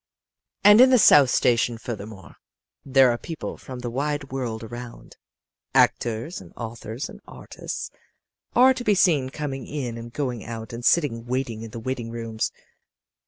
"And in the South Station, furthermore, there are people from the wide world around. Actors and authors and artists are to be seen coming in and going out and sitting waiting in the waiting rooms.